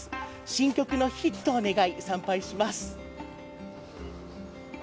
新曲のヒットを願い参拝します。